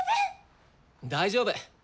大丈夫。